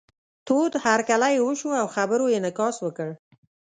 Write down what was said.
تود هرکلی یې وشو او خبرو یې انعکاس وکړ.